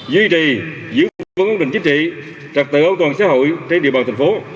duy trì giữ vững vấn đề chính trị trạc tựa ổn toàn xã hội trên địa bàn thành phố